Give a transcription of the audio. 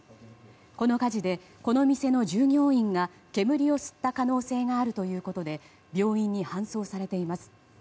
この火事で、この店の従業員が煙を吸った可能性があるということで病院に搬送されています。